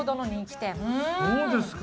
そうですか。